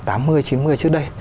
tám mươi chín mươi trước đây